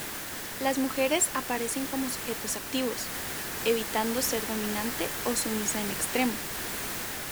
Las mujeres aparecen como sujetos activos, evitando ser dominante o sumisa en extremo.